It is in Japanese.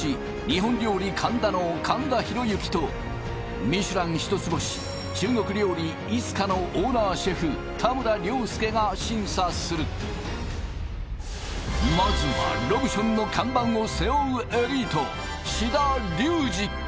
日本料理かんだの神田裕行とミシュラン一つ星中国料理慈華のオーナーシェフ田村亮介が審査するまずはロブションの看板を背負うエリート志田竜児